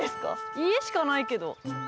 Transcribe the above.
家しかないけど。